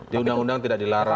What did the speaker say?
di undang undang tidak dilarang